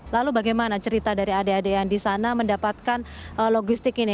lalu bagaimana cerita dari adik adik yang di sana mendapatkan logistik ini